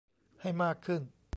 ให้มากขึ้น